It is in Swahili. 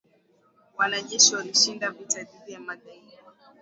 Wanajeshi walishinda vita dhidi ya magaidi